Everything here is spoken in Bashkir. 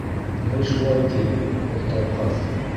— Гел шулай, ти, ул Талҡаҫ.